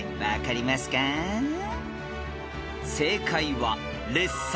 ［正解は］